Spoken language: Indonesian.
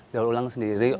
daur ulang sendiri